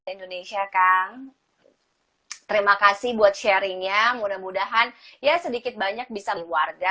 indonesia kang terima kasih buat sharingnya mudah mudahan ya sedikit banyak bisa warga